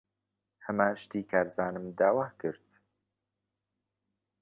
ھەمان شتی کارزانم داوا کرد.